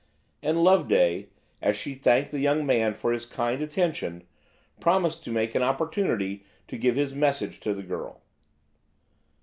And Loveday, as she thanked the young man for his kind attention, promised to make an opportunity to give his message to the girl.